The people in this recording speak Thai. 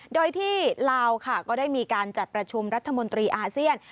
โดยที่ลาวค่ะก็ได้มีการจัดประชุมรัฐมนตรีอาเซียน